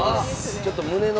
ちょっと胸のロゴ！